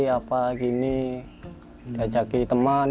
apa gini gak jadi teman